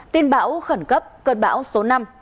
tin bão khẩn cấp cơn bão số năm